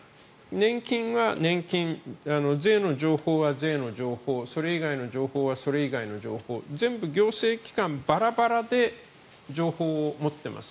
年金は年金、税の情報は税の情報それ以外の情報はそれ以外の情報全部、行政機関ばらばらで情報を持っています。